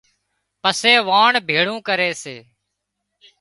پسي واڻ ڀيۯون ڪري سي